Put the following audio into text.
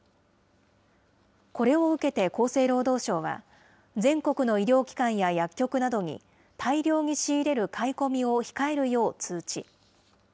これを受けて厚生労働省は、全国の医療機関や薬局などに、大量に仕入れる買い込みを控えるよう通知。